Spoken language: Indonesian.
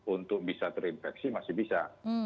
untuk bisa terinfeksi masih bisa